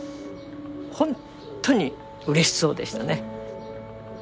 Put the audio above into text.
本当にうれしそうでしたね。